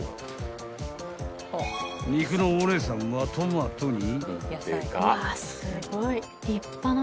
［肉のお姉さんはトマトに］